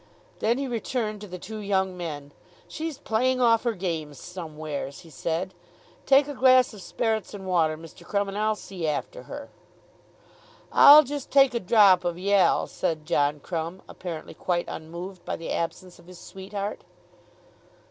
Then he returned to the two young men. "She's playing off her games somwheres," he said. "Take a glass of sperrits and water, Mr. Crumb, and I'll see after her." "I'll just take a drop of y'ell," said John Crumb, apparently quite unmoved by the absence of his sweetheart.